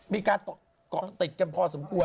มีการติดจำพอสมควร